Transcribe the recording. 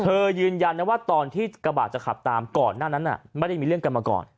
ยืนยันนะว่าตอนที่กระบาดจะขับตามก่อนหน้านั้นไม่ได้มีเรื่องกันมาก่อน